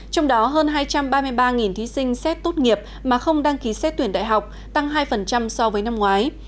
trong đó hơn hai trăm ba mươi ba thí sinh xét tốt nghiệp mà không đăng ký xét tuyển đại học tăng hai so với năm ngoái